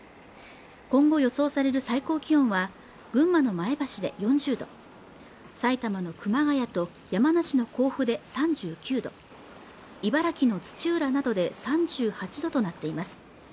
今後予想される最高気温は群馬の前橋で４０度埼玉の熊谷と山梨の甲府で３９度茨城の土浦などで３８度となっています